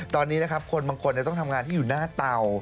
ตอนนี้นะครับคนบางคนต้องทำงานที่อยู่หน้าเตา